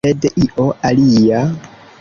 Sed io alia.